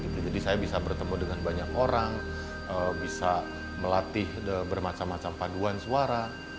jadi saya bisa bertemu dengan banyak orang bisa melatih bermacam macam paduan suara